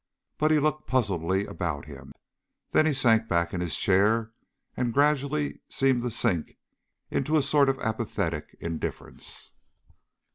But he looked puzzledly about him. Then he sank back in his chair and gradually seemed to sink into a sort of apathetic indifference.